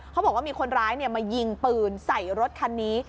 เขาบอกว่ามีคนร้ายมายิงปืนใส่รถคันนี้